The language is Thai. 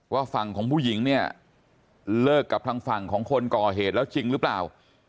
ว่าฝั่งของผู้หญิงเนี่ยเลิกกับทางฝั่งของคนก่อเหตุแล้วจริงหรือเปล่า